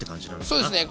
そうですね。